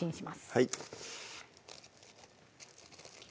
はい